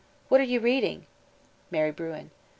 _ What are you reading? _Maire Bruin.